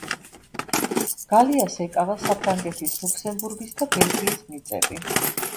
გალიას ეკავა საფრანგეთის, ლუქსემბურგის და ბელგიის მიწები.